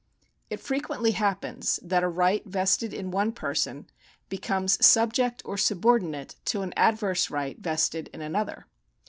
It frequently happens that a right vested in one person becomes subject or subordinate to an adverse right vested in another.